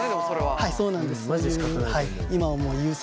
はいそうなんです。